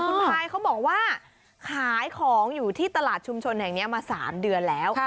คุณพายเขาบอกว่าขายของอยู่ที่ตลาดชุมชนแห่งนี้มา๓เดือนแล้ว